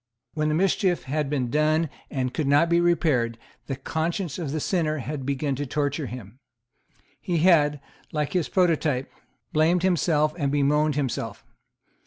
When the mischief had been done and could not be repaired, the conscience of the sinner had begun to torture him. He had, like his prototype, blamed himself and bemoaned himself.